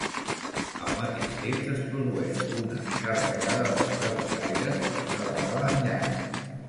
Al mateix temps es produeix una galejada dels Trabucaires per celebrar l'enllaç.